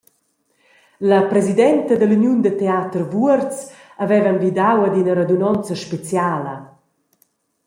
La presidenta dall’Uniun da teater Vuorz haveva envidau ad ina radunonza speciala.